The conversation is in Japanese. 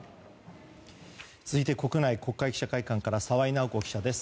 続いて、国内国会記者会館から澤井尚子記者です。